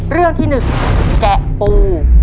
เรื่องที่หนึ่งแกะปู